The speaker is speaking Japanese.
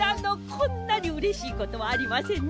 こんなにうれしいことはありませんね。